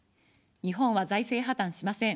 日本は財政破綻しません。